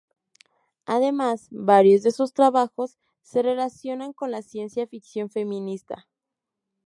Además, varios de sus trabajos se relacionan con la ciencia ficción feminista.